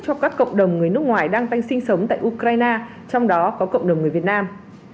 cho các cộng đồng người nước ngoài đang sinh sống tại ukraine trong đó có cộng đồng người việt nam